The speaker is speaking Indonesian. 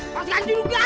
masih kan juga